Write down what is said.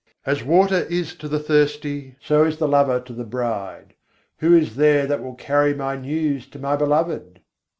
As water is to the thirsty, so is the lover to the bride. Who is there that will carry my news to my Beloved?